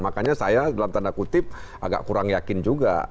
makanya saya dalam tanda kutip agak kurang yakin juga